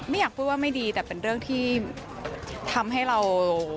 อยากพูดว่าไม่ดีแต่เป็นเรื่องที่ทำให้เรา